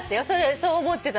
そう思ってたのが。